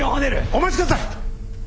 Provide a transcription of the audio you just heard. お待ちください！